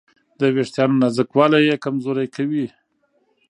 د وېښتیانو نازکوالی یې کمزوري کوي.